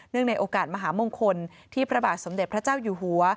ในโอกาสมหามงคลที่พระบาทสมเด็จพระเจ้าอยู่หัว